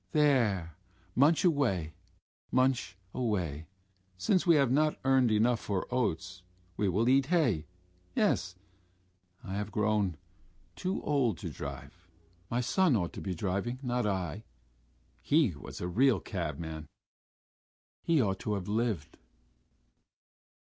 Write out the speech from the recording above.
"There, munch away, munch away.... Since we have not earned enough for oats, we will eat hay.... Yes,... I have grown too old to drive.... My son ought to be driving, not I.... He was a real cabman.... He ought to have lived...."